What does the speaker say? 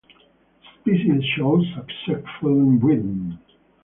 The species shows successful inbreeding.